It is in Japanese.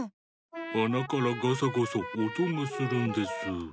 あなからガサゴソおとがするんです。